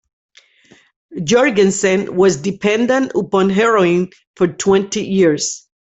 Jourgensen was dependent upon heroin for twenty years.